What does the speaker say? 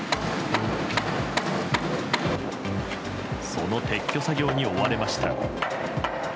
その撤去作業に追われました。